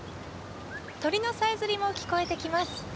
鳥のさえずりも聞こえてきます。